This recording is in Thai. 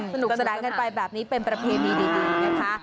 สนุกสนานกันไปแบบนี้เป็นประเพณีดีนะคะ